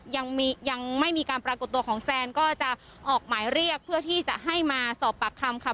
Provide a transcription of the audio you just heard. ยังไม่มีการปรากฏตัวของแซนก็จะออกหมายเรียกเพื่อที่จะให้มาสอบปากคำค่ะ